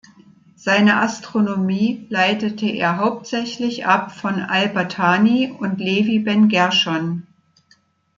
Seine Astronomie leitete er hauptsächlich ab von Al-Battani und Levi ben Gershon.